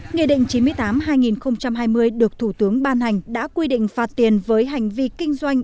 nghị định chín mươi tám hai nghìn hai mươi được thủ tướng ban hành đã quy định phạt tiền với hành vi kinh doanh